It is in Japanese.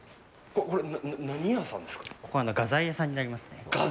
ここは画材屋さんになりますね。